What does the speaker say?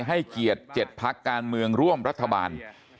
ให้เกียรติเจ็ดภักดิ์การเมืองร่วมรัฐบาล